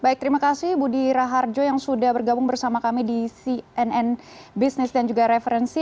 baik terima kasih budi raharjo yang sudah bergabung bersama kami di cnn business dan juga referensi